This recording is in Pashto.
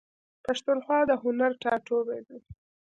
پښتونخوا د هنر ټاټوبی دی.